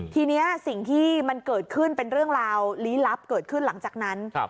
ทีนี้สิ่งที่มันเกิดขึ้นเป็นเรื่องราวลี้ลับเกิดขึ้นหลังจากนั้น